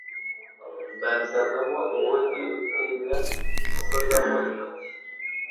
Bayatyazamo ubugi Utinya gukozamo intoki.